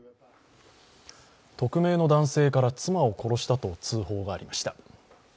匿名の男性から妻を殺したと通報がありました。